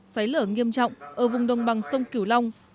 xói lở nghiêm trọng ở vùng đồng bằng sông cửu long